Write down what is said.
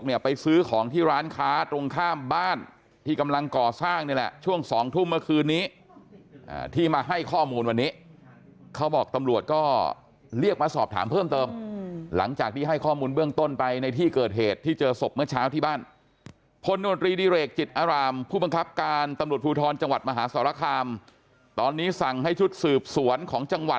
เนี่ยไปซื้อของที่ร้านค้าตรงข้ามบ้านที่กำลังก่อสร้างนี่แหละช่วง๒ทุ่มเมื่อคืนนี้ที่มาให้ข้อมูลวันนี้เขาบอก